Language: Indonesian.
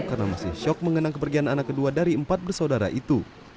karena masih syok mengenang kepergian anak kedua dari empat bersaudara itu